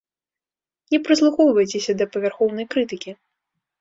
Не прыслухоўвайцеся да павярхоўнай крытыкі.